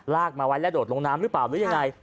มาไว้แล้วโดดลงน้ำหรือเปล่าหรือยังไง